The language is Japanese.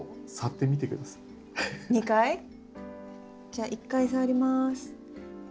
じゃあ１回触ります。